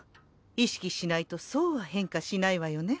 意識しないとそうは変化しないわよね。